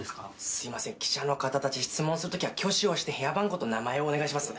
すいません記者の方たち質問する時は挙手をして部屋番号と名前をお願いします。